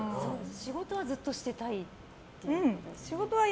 仕事はずっとしてたいってことですか。